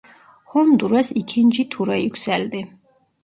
Honduras ikinci tura yükseldi.